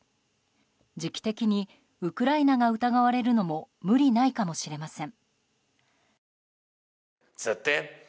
時期的にウクライナが疑われるのも無理ないかもしれません。